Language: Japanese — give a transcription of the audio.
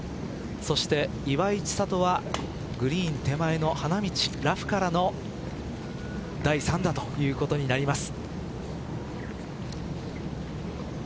そして岩井千怜はグリーン手前の花道ラフからの第３打ということになります。